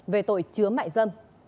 về tội chứa mại dâm